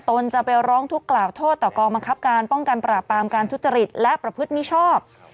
จะไปร้องทุกข์กล่าวโทษต่อกองบังคับการป้องกันปราบปรามการทุจริตและประพฤติมิชอบ